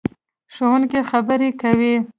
ښوونکې خبرې کوي.